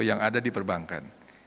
yang ada di perbankan